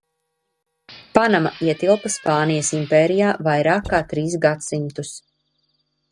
Panama ietilpa Spānijas impērijā vairāk kā trīs gadsimtus.